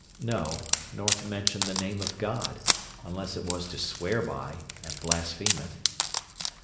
no, nor to mention the name of God, unless it was to swear by, and blaspheme it.